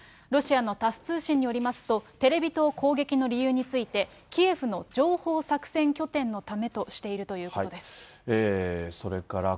ロシアのタス通信によりますと、テレビ塔攻撃の理由について、キエフの情報作戦拠点のためとしているということです。